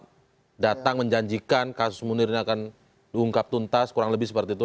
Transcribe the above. yang datang menjanjikan kasus munir ini akan diungkap tuntas kurang lebih seperti itu